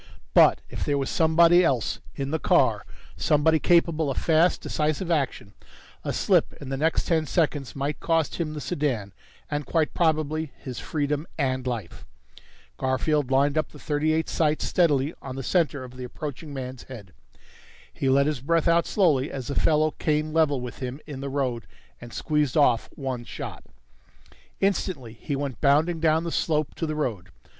But if there was somebody else in the car, somebody capable of fast, decisive action, a slip in the next ten seconds might cost him the sedan, and quite probably his freedom and life. Garfield lined up the .38's sights steadily on the center of the approaching man's head. He let his breath out slowly as the fellow came level with him in the road and squeezed off one shot. Instantly he went bounding down the slope to the road.